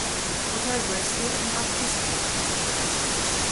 Hotel Bristol in Bad Kissingen.